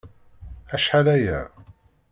Acḥal-aya.